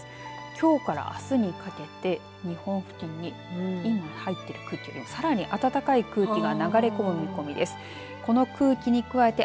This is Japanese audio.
きょうからあすにかけて日本付近に今入ってる空気よりも暖かい空気が流れ込んでくる見込みです。